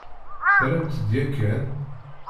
Terramt-d yakan?